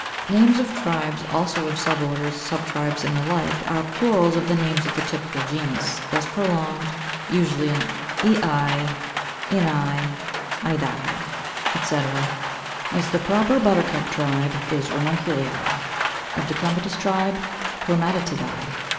541. =Names of Tribes=, also of suborders, subtribes, and the like, are plurals of the name of the typical genus, less prolonged, usually in eæ, ineæ, ideæ, etc. Thus the proper Buttercup tribe is Ranunculeæ, of the Clematis tribe, Clematideæ.